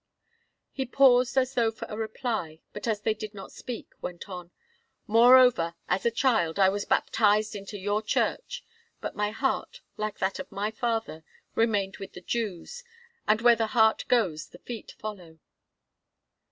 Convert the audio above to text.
He paused as though for a reply, but as they did not speak, went on: "Moreover, as a child, I was baptized into your Church; but my heart, like that of my father, remained with the Jews, and where the heart goes the feet follow."